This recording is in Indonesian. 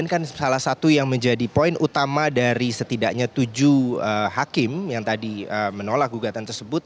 ini kan salah satu yang menjadi poin utama dari setidaknya tujuh hakim yang tadi menolak gugatan tersebut